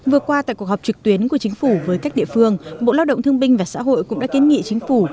vừa qua tại cuộc họp trực tuyến của chính phủ với các địa phương bộ lao động thương binh và xã hội cũng đã kiến nghị chính phủ